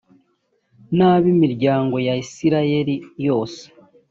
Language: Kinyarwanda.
n ab imiryango ya isirayeli yose